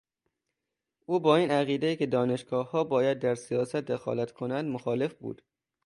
او با این عقیده که دانشگاهها باید در سیاست دخالت کنند مخالف بود.